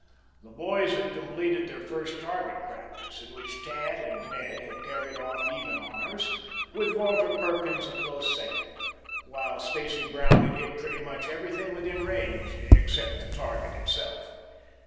The boys had completed their first target practice, in which Tad and Ned had carried off even honors, with Walter Perkins a close second, while Stacy Brown had hit pretty much everything within range except the target itself.